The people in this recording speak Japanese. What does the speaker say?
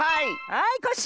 はいコッシー！